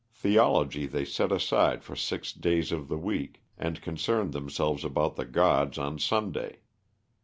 Theology they set aside for six days of the week, and concerned themselves about the gods on Sunday.